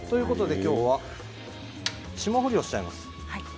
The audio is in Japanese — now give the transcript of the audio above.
きょうは霜降りをします。